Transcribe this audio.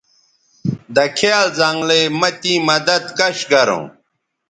دکھیال زنگلئ مہ تیں مدد کش گروں